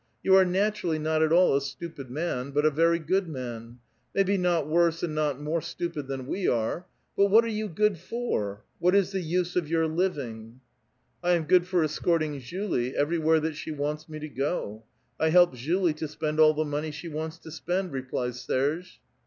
You are naturally not at all a stupid man, but a very good man ; maybe not worse and not more stupid than we are ; but what are you good for? what is the use of vour living? "" I am good for escorting Julie everywhere that she wants me to go. I help Julie to spend all the nioney she wants to spend," replies Serge.